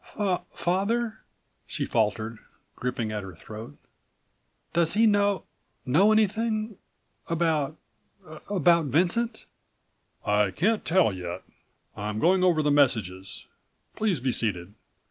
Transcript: "Fa—father," she faltered, gripping at her throat, "does he know—know anything—about—about Vincent?" "I can't tell yet. I am going over the messages. Please be seated."